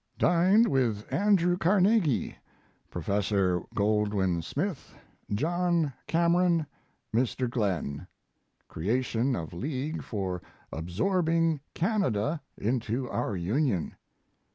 Dined with Andrew Carnegie, Prof. Goldwin Smith, John Cameron, Mr. Glenn. Creation of league for absorbing Canada into our Union.